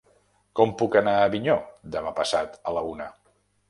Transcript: Com puc anar a Avinyó demà passat a la una?